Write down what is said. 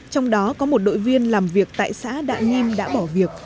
trong đó có một đội viên làm việc tại xã đạ nhiêm đã bỏ việc